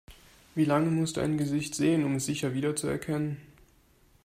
Wie lange musst du ein Gesicht sehen, um es sicher wiederzuerkennen?